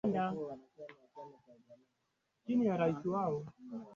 kikubwa lakini vinaenea sana katika sehemu nyingine za